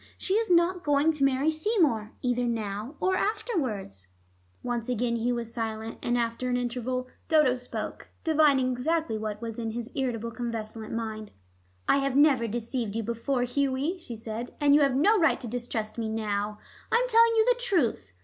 She is not going to marry Seymour, either now or afterwards." Once again Hugh was silent, and after an interval Dodo spoke, divining exactly what was in his irritable convalescent mind. "I have never deceived you before, Hughie," she said, "and you have no right to distrust me now. I am telling you the truth.